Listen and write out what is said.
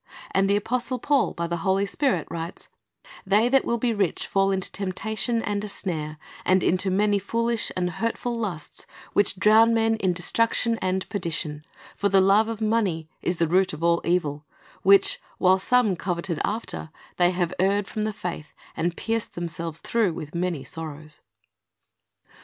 "^ And the apostle Paul by the Holy Spirit writes, "They that will be rich fall into temptation and a snare, and into many foolish and hurtful lusts, which drown men in destruction ' I Jolin 2 : 15, 16 2 I, like 21 : 34 56 Christ's Object Lessons and perdition. For the love, of money is the root of all evil ; which, while some coveted after, they have erred from the faith, and pierced themselves through with many sorrows."